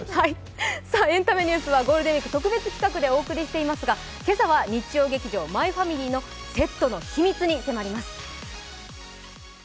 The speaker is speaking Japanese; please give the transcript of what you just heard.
エンタメニュースはゴールデンウイーク特別企画でお送りしていますが今朝は日曜劇場「マイファミリー」のセットの秘密に迫ります。